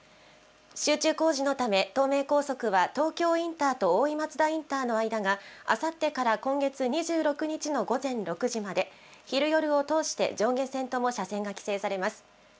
集中工事のため、東名高速は、東京インターと大井松田インターの間が、あさってから今月２６日の午前６時まで、昼夜を通して、上下線とも車線が規制されます。